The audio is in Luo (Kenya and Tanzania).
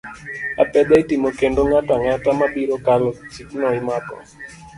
Apedha itimo kendo ng'ato ang'ata mabiro kalo chikno imako.